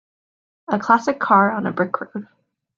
A classic car on a brick road